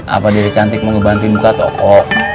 apa dede cantik mau ngebantuin buka toko